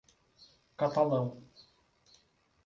Catalão